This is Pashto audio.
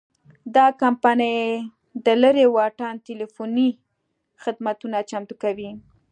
دا کمپنۍ د لرې واټن ټیلیفوني خدمتونه چمتو کوي.